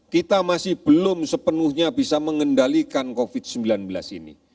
kita masih belum sepenuhnya bisa mengendalikan covid sembilan belas ini